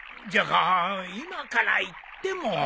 じゃが今から行っても。